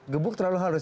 gebuk terlalu halus